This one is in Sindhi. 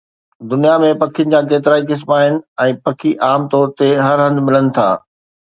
دنيا ۾ پکين جا ڪيترائي قسم آهن ۽ پکي عام طور تي هر هنڌ ملن ٿا